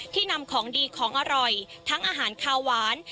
นำของดีของอร่อยทั้งอาหารคาวหวาน